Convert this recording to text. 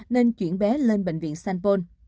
nên chuyển bé lên bệnh viện sanpôn